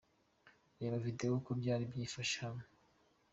Reba Video y'uko byari byifashe hano:.